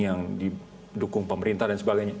yang didukung pemerintah dan sebagainya